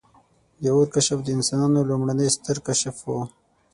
• د اور کشف د انسانانو لومړنی ستر کشف و.